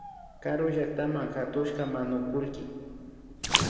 Karu llaktama katushka manukullki